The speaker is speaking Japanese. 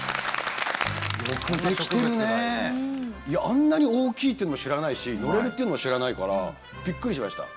あんなに大きいってのも知らないし乗れるっていうのも知らないからビックリしました。